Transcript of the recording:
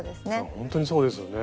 ほんとにそうですよね。